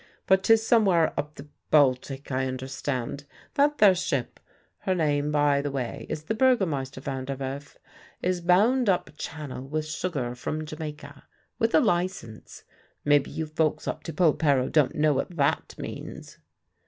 But 'tis somewhere up the Baltic I understand. That there ship her name, by the way, is the Burgomeister Van der Werf is bound up Channel with sugar from Jamaica with a licence. Maybe you folks up to Polperro don't know what that means?"